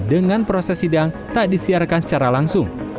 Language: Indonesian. dengan proses sidang tak disiarkan secara langsung